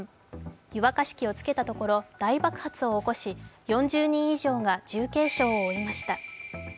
湯沸かし器をつけたところ、大爆発を起こし４０人以上が重軽傷を負いました。